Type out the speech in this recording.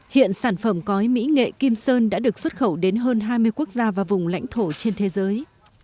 hiện sản phẩm cói mỹ nghệ kim sơn đã được xuất khẩu đến hơn hai mươi quốc gia và vùng lãnh thổ trên thế giới